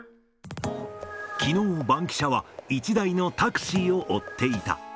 きのう、バンキシャは１台のタクシーを追っていた。